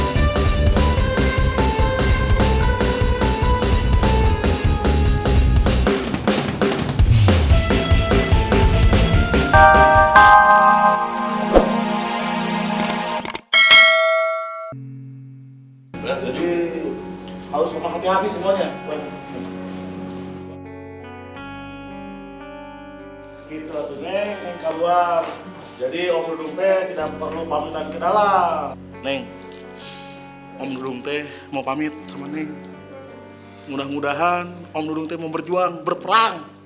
kita hajar mereka